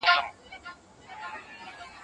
موږ اوسمهال د سېلاب ځپلو کورنیو سره مرسته کوو.